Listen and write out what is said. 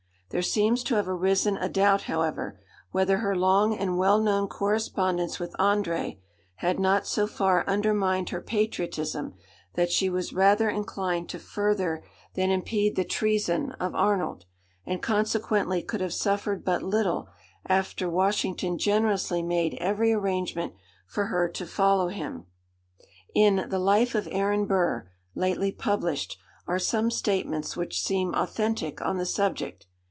There seems to have arisen a doubt, however, whether her long and well known correspondence with André had not so far undermined her patriotism, that she was rather inclined to further than impede the treason of Arnold; and consequently could have suffered but little after Washington generously made every arrangement for her to follow him. In the "Life of Aaron Burr," lately published, are some statements which seem authentic on the subject.